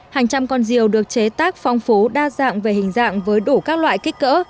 hàng trăm con rìu được chế tác phong phú đa dạng về hình dạng với đủ các loại kích cỡ